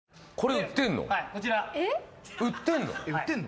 売ってんの？